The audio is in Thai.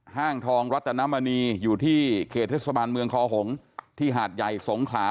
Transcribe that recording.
ห้างทองรัตนมณีอยู่ที่เขตเทศบาลเมืองคอหงที่หาดใหญ่สงขลา